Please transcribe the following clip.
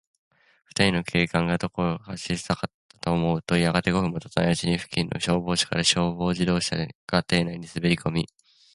ふたりの警官が、どこかへ走りさったかと思うと、やがて、五分もたたないうちに、付近の消防署から、消防自動車が邸内にすべりこみ、